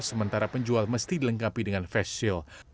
sementara penjual mesti dilengkapi dengan face shield